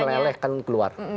ini kan melelehkan keluar